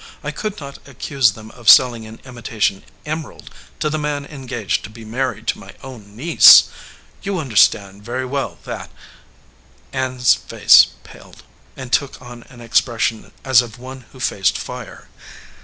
I could not accuse them of selling an imitation em erald to the man engaged to be married to my own niece. You understand very well that " 268 RING WITH THE GREEN STONE Ann s face paled, and took on an expression as of one who faced fire.